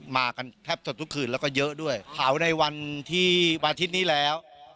มากันแทบสดทุกคืนแล้วก็เยอะด้วยเผาในวันที่วันอาทิตย์นี้แล้ว